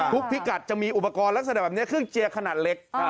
พิกัดจะมีอุปกรณ์ลักษณะแบบนี้เครื่องเจียร์ขนาดเล็ก